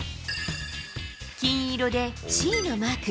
金色でＣのマーク。